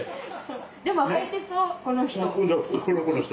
でも履いてそうこの人。